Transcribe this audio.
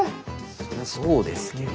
それはそうですけど。